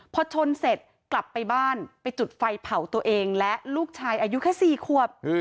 พอชนเสร็จกลับไปบ้านไปจุดไฟเผาตัวเองและลูกชายอายุแค่๔ขวบ